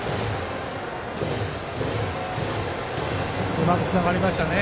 うまくつながりましたね。